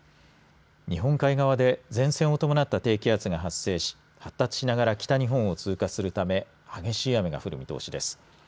日本海側で前線を伴った低気圧が発生し発達しながら北日本を通過するため激しい雨が降る見通しです。